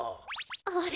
あれ？